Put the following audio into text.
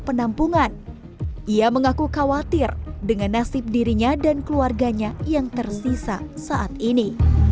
penampungan ia mengaku khawatir dengan nasib dirinya dan keluarganya yang tersisa saat ini